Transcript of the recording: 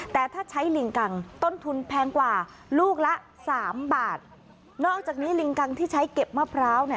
แต่ถ้าใช้ลิงกังต้นทุนแพงกว่าลูกละสามบาทนอกจากนี้ลิงกังที่ใช้เก็บมะพร้าว